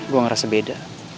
gue ngerasa beda